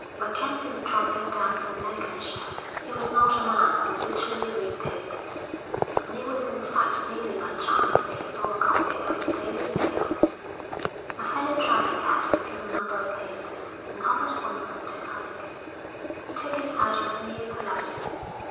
MacKenzie was travelling down from Lancashire. He was not a man who habitually read papers, and it was in fact only by chance that he saw a copy of the Daily Mail. A fellow traveller had with him a number of papers, and offered one of them to Alec. He took it out of mere politeness.